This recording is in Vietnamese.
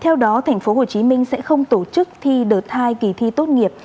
theo đó thành phố hồ chí minh sẽ không tổ chức thi đợt hai kỳ thi tốt nghiệp